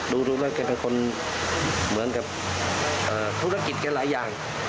ดูดูแล้วเขาเป็นคนเหมือนกับโธษละกิจเนี่ยหลายอย่าง